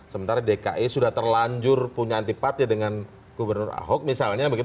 sementara dki sudah terlanjur punya antipati dengan gubernur ahok misalnya